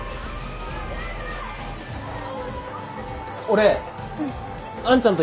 俺アンちゃんと